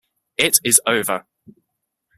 It is over.